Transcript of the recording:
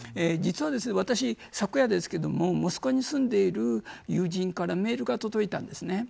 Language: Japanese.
実は私、昨夜ですがモスクワに住んでいる友人からメールが届いたんです。